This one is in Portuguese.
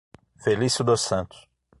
Felício dos Santos